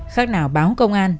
khác nào báo công an